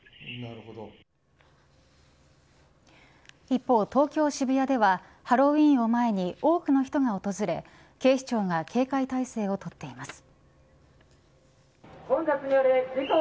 一方東京、渋谷ではハロウィーンを前に多くの人が訪れ警視庁が警戒態勢を取っています。